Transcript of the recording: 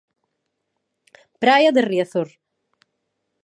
Praia de Riazor.